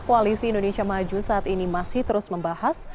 koalisi indonesia maju saat ini masih terus membahas